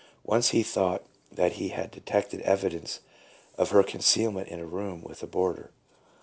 Once he thought that he had detected evi dence of her concealment in a room with a boarder.